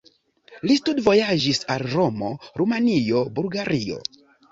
Li studvojaĝis al Romo, Rumanio, Bulgario.